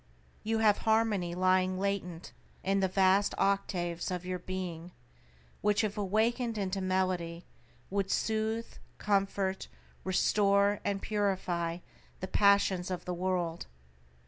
You have harmony lying latent in the vast octaves of your being, which if awakened into melody would sooth, comfort, restore, and purify the passions of a world.